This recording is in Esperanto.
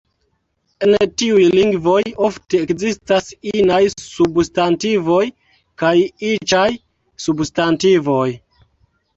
En tiuj lingvoj, ofte ekzistas inaj substantivoj kaj iĉaj substantivoj.